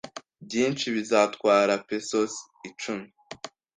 Byinshi, bizatwara pesos icumi.